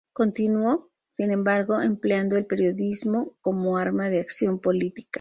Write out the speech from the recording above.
Continuó, sin embargo, empleando el periodismo como arma de acción política.